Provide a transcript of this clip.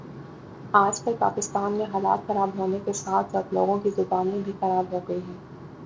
آج کل پاکستان میں حالات خراب ہونے کے ساتھ ساتھ لوگوں کی زبانیں بھی خراب ہو گئی ہیں